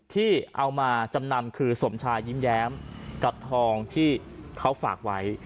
ที่เอามาจำนำคือสมชายยิ้มแย้มกับทองที่เขาฝากไว้